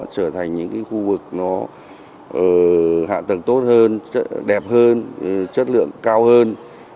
trở thành những khu vực hạ tầng tốt hơn đẹp hơn chất lượng cao hơn